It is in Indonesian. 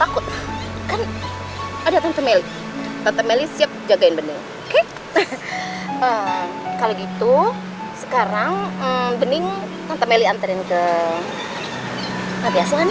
kalau gitu sekarang bening tante melilla trinkel